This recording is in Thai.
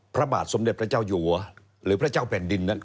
พระบาทสมเด็จพระเจ้าอยู่หัวหรือพระเจ้าแผ่นดินนั้น